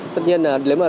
tất nhiên nếu mà